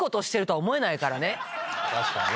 確かにね。